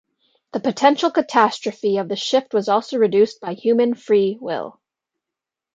The potential catastrophe of the shift was also reduced by human free will.